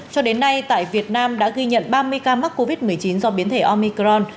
cho đến nay tại việt nam đã ghi nhận ba mươi ca mắc covid một mươi chín do biến thể omicron